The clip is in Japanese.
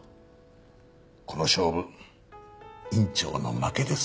この勝負院長の負けです。